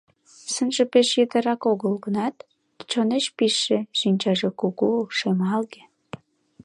Сынже пеш йытырак огыл гынат, чонеш пижше; шинчаже кугу, шемалге.